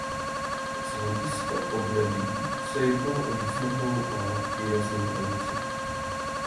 Z hlediska podnebí se jedná o významnou a výraznou hranici.